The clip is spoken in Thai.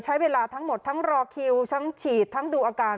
ใช้เวลาทั้งหมดทั้งรอคิวทั้งฉีดทั้งดูอาการ